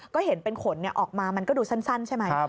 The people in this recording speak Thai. ก็เห็นเป็นขนออกมามันก็ดูสั้นใช่ไหม